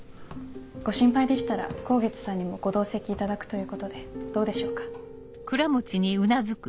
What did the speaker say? ご心配でしたら香月さんにもご同席いただくということでどうでしょうか？